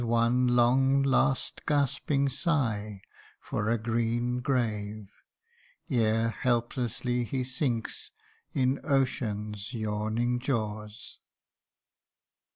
121 One long last gasping sigh for a green grave, Ere helplessly he sinks in Ocean's yawning jaws.